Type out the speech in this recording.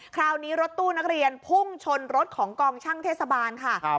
คราวนี้รถตู้นักเรียนพุ่งชนรถของกองช่างเทศบาลค่ะ